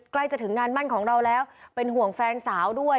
ใกล้จะถึงงานมั่นของเราแล้วเป็นห่วงแฟนสาวด้วย